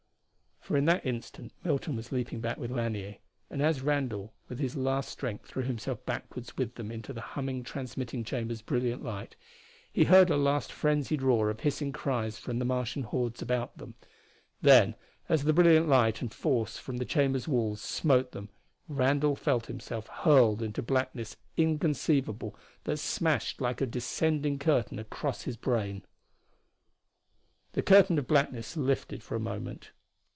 "_ For in that instant Milton was leaping back with Lanier, and as Randall with his last strength threw himself backward with them into the humming transmitting chamber's brilliant light, he heard a last frenzied roar of hissing cries from the Martian hordes about them. Then as the brilliant light and force from the chamber's walls smote them, Randall felt himself hurled into blackness inconceivable, that smashed like a descending curtain across his brain. The curtain of blackness lifted for a moment.